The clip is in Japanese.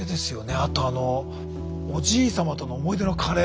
あとあのおじい様との思い出のカレー。